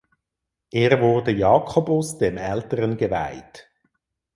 Er wurde Jakobus dem Älteren geweiht.